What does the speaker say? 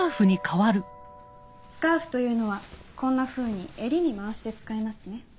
スカーフというのはこんなふうに襟に回して使いますね。